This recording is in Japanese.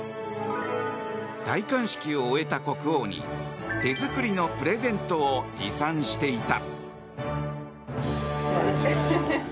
戴冠式を終えた国王に手作りのプレゼントを持参していた。